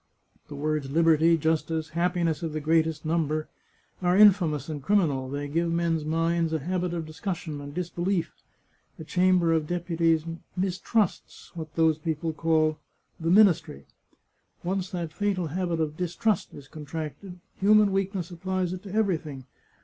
The words liberty, 140 The Chartreuse of Parma justice, happiness of the greatest number, are infamous and criminal; they give men's minds a habit of discussion and disbeHef. A Chamber of Deputies mistrusts what those people call the ministry. Once that fatal habit of distrust is contracted, human weakness applies it to everything.